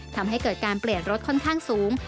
ทำให้เกิดการเปลี่ยนรถค่อนข้างสูง